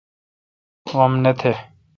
غم نہ تہ۔